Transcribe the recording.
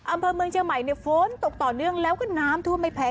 อำเภอเมืองเชียงใหม่เนี่ยฝนตกต่อเนื่องแล้วก็น้ำท่วมไม่แพ้